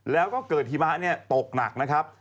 แล้วก็เกิดหิมะตกหนัก